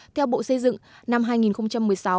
theo bộ xây dựng năm hai nghìn một mươi sáu